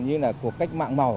như là cuộc cách mạng màu